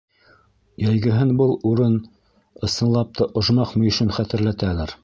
Йәйгеһен был урын, ысынлап та, ожмах мөйөшөн хәтерләтәлер.